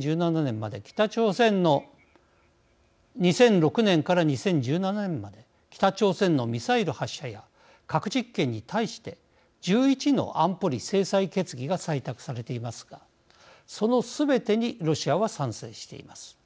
２００６年から２０１７年まで北朝鮮のミサイル発射や核実験に対して１１の安保理制裁決議が採択されていますがそのすべてにロシアは賛成しています。